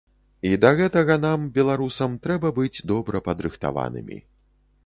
І да гэтага нам, беларусам, трэба быць добра падрыхтаванымі.